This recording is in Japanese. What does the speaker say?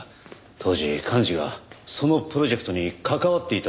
当時寛二がそのプロジェクトに関わっていたとしたら。